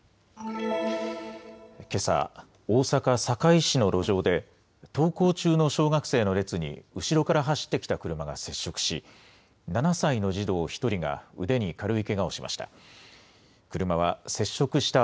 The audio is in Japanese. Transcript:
けさ、大阪堺市の路上で登校中の小学生の列に後ろから走ってきた車が接触し７歳の児童１人が腕に軽いけがをしました。